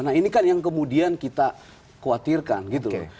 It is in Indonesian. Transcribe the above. nah ini kan yang kemudian kita khawatirkan gitu loh